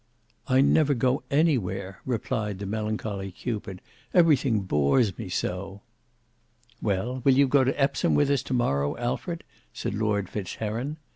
"I never go anywhere," replied the melancholy Cupid, "everything bores me so." "Well, will you go to Epsom with us to morrow, Alfred?" said Lord Fitzheron.